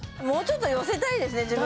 もうちょっと寄せたいですね